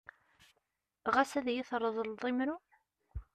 Ɣad ad yi-d-tṛeḍleḍ imru-m?